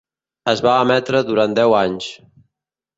Es va emetre durant deu anys.